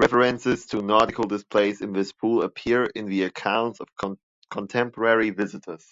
References to nautical displays in this pool appear in the accounts of contemporary visitors.